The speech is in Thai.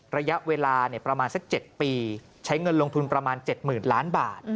ระยะเวลาประมาณสัก๗ปีใช้เงินลงทุนประมาณ๗๐๐ล้านบาท